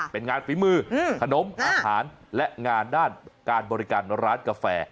เป็นงานฝีมือขนมอาหารและงานด้านการบริการร้านกาแฟ